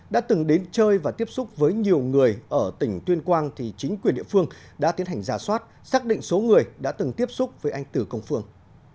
đã từng đến chơi và tiếp xúc với nhiều người ở tỉnh tuyên quang thì chính quyền địa phương đã tiến hành giả soát xác định số người đã từng tiếp xúc với anh tử công phương